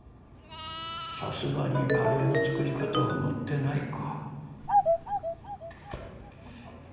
さすがにカレーの作り方は載ってないか。